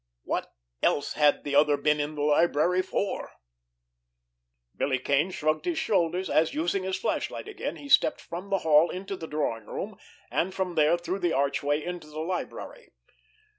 What else had the other been in the library for? Billy Kane shrugged his shoulders, as, using his flashlight again, he stepped from the hall into the drawing room, and from there through the archway into the library.